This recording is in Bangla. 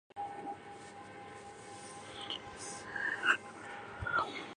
যেটা তোমার কল্পনার বাহিরে।